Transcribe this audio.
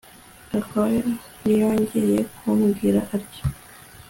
Gakwaya ntiyongeye kumbwira atyo